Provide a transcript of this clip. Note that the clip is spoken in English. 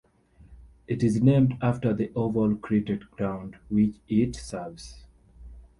It is named after The Oval cricket ground, which it serves.